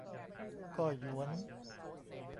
ก็หยวน